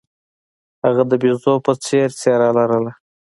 هغه د بیزو په څیر څیره لرله.